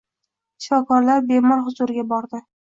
Shifokorlar bemor huzuriga bordi